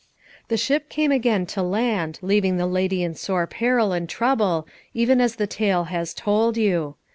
The ship came again to land, leaving the lady in sore peril and trouble, even as the tale has told you.